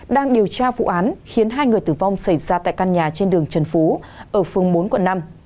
đang điều tra vụ án khiến hai người tử vong xảy ra tại căn nhà trên đường trần phú ở phương bốn quận năm